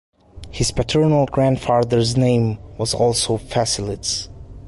His paternal grandfather's name was also Fasilides.